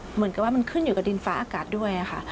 เหมือนกับว่ามันขึ้นอยู่กับดินฟ้าอากาศด้วยค่ะ